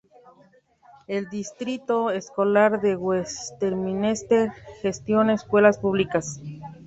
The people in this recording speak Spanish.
El Distrito Escolar de Westminster gestiona escuelas públicas.